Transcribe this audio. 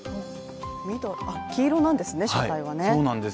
黄色なんですね、車体はね。